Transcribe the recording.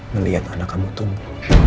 melihat anak kamu tumbuh